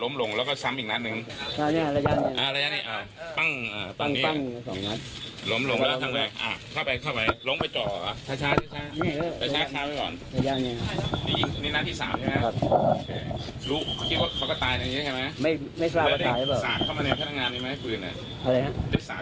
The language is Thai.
ไม่เอ่งจะจะไม่อกุ้งหน้างานไม่ครับเสื้อแล้ว